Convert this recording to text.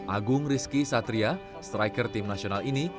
agung rizky satria striker tim nasional ini